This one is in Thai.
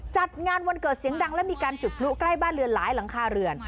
จัดงานวันเกิดเสียงดังและมีการจุดพลุใกล้บ้านเรือนหลายหลังคาเรือน